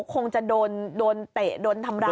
คงจะโดนเตะโดนทำร้าย